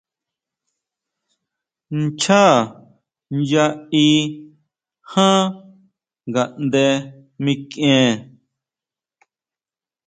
Nchaá nya í jan ngaʼnde mikʼien.